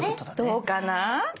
どうかな？